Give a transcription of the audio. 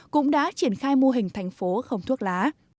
cũng đã triển khai mô hình thành phố không thuốc lá